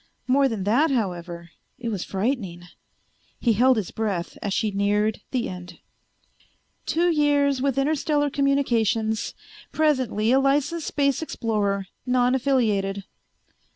More than that, however, it was frightening. He held his breath as she neared the end. "... two years with Interstellar Communications; presently a licensed space explorer, non affiliated."